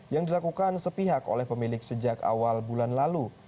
yang dilakukan sepihak oleh pemilik sejak awal bulan lalu